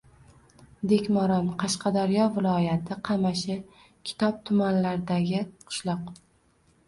Dekmoron - Qashqadaryo viloyati Qamashi, Kitob tumanlaridagi qishloq.